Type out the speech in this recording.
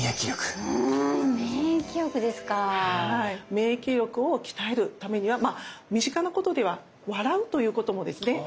免疫力を鍛えるためにはまあ身近なことでは笑うということもですね